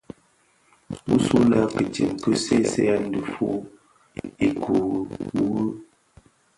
Bisulè kitsen ki seeseeyèn dhifuu ikure wu.